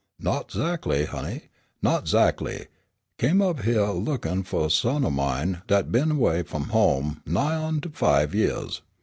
"Not 'zackly, honey; not 'zackly. I come up hyeah a lookin' fu' a son o' mine dat been away f'om home nigh on to five years.